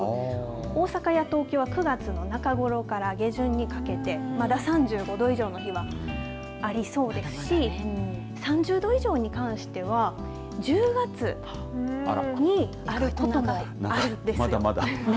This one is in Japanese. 大阪や東京は９月の中頃から下旬にかけてまだ３５度以上の日がありそうですし３０度以上に関しては１０月にあることもあるんですよ。